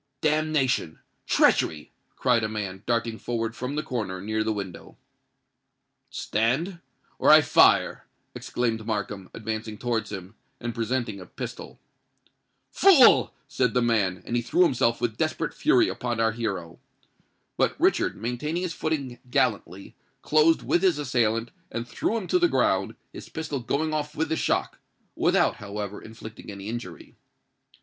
"Damnation!—treachery!" cried a man, darting forward from the corner near the window. "Stand—or I fire!" exclaimed Markham, advancing towards him, and presenting a pistol. "Fool!" said the man; and he threw himself with desperate fury upon our hero. But Richard, maintaining his footing gallantly, closed with his assailant, and threw him to the ground, his pistol going off with the shock—without, however, inflicting any injury.